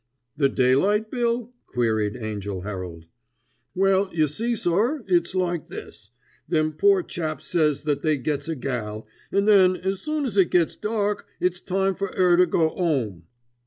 "The Daylight Bill?" queried Angell Herald. "Well, you see, sir, its like this. Them poor chaps says that they gets a gal, and then, as soon as it gets dark, it's time for 'er to go 'ome."